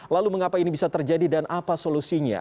lalu mengapa ini bisa terjadi dan apa solusinya